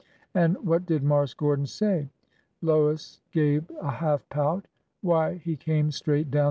An' what did Marse Gordon say ?" Lois gave a half pout. Why, he came straight down 3o6 ORDER NO.